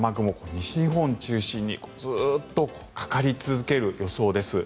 西日本を中心にずっとかかり続ける予想です。